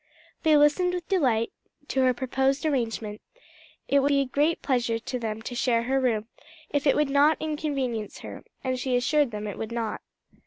They listened with delight to her proposed arrangement: it would be a great pleasure to them to share her room, if it would not inconvenience her, and she assured them it would not.